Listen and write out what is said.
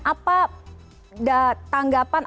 apa tanggapan atau pengertiannya